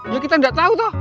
ya kita gak tahu toh